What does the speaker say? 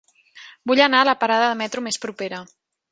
Vull anar a la parada de metro més propera.